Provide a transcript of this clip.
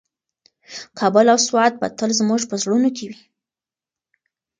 کابل او سوات به تل زموږ په زړونو کې وي.